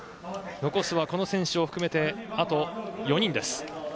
残すは、この選手を含めてあと４人です。